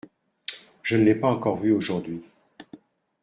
Je ne l’ai pas encore vue aujourd’hui.